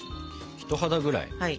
人肌ぐらい？